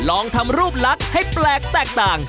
ลองทำรูปลักษณ์ให้แปลกแตกต่าง